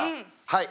はい。